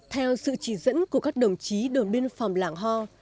theo sự chỉ dẫn của các đồng chí đồng biên phòng lảng ho